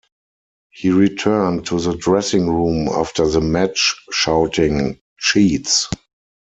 He returned to the dressing room after the match shouting, Cheats!